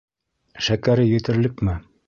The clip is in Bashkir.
Шәкәре етерлекме?